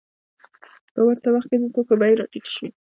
په ورته وخت کې د توکو بیې راټیټې شوې